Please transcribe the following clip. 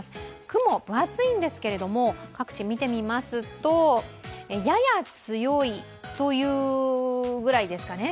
雲、分厚いんですけど各地、見てみますとやや強いというぐらいですかね。